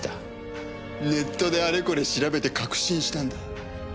ネットであれこれ調べて確信したんだ。